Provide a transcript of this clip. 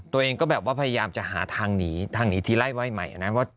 ตัวเองก็พยายามจะหาทางหนีทางหนีทีไล่ไว้ใหม่